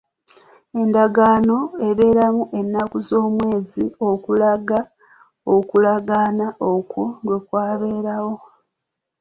Endagaano ebaamu ennaku z'omwezi okulaga okulagaana okwo lwe kwabeerawo.